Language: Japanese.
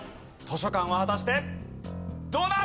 図書館は果たしてどうだ？